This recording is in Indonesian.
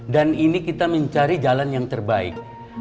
ini kita mencari jalan yang terbaik